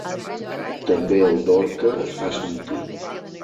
També el Dorca es fa sentir.